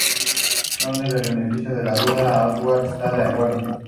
Dándole el beneficio de la duda, Oswald está de acuerdo.